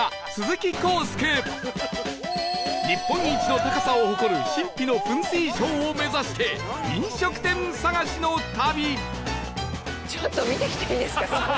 日本一の高さを誇る神秘の噴水ショーを目指して飲食店探しの旅